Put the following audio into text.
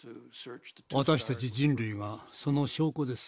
私たち人類がその証拠です。